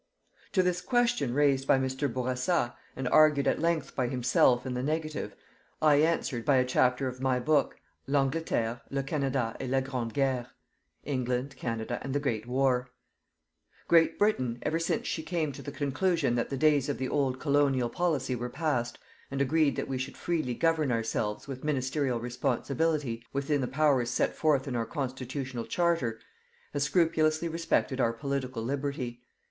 To this question raised by Mr. Bourassa, and argued at length by himself in the negative, I answered by a chapter of my book: "L'Angleterre, le Canada et la Grand Guerre" "England, Canada and the Great War." Great Britain, ever since she came to the conclusion that the days of the old colonial policy were passed, and agreed that we should freely govern ourselves, with ministerial responsibility, within the powers set forth in our constitutional charter, has scrupulously respected our political liberty.